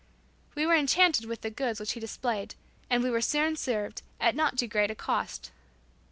We were enchanted with the goods which he displayed, and we were soon served, at not too great a cost.